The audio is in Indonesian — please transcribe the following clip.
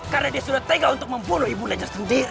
karena dia sudah tegak untuk membunuh ibu nanda sendiri